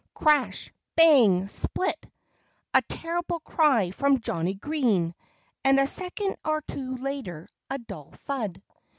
Crash! Bang! Split! A terrible cry from Johnnie Green! And a second or two later a dull thud!